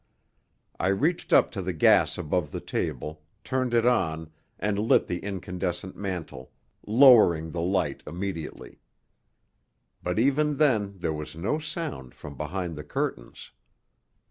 I reached up to the gas above the table, turned it on, and lit the incandescent mantle, lowering the light immediately. But even then there was no sound from behind the curtains.